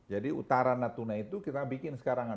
jadi utara natuna itu kita bikin sekarang